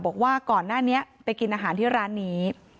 บอกว่าก่อนหน้านี้ไปกินอาหารที่ร้านนี้